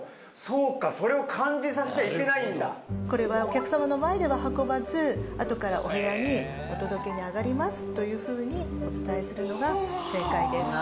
そうかこれはお客様の前では運ばずあとからお部屋にお届けに上がりますというふうにお伝えするのが正解です